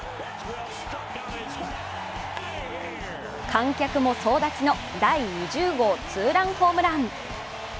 観客も総立ちの第２０号ツーランホームラン。